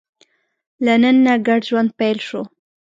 له نن نه ګډ ژوند پیل شو.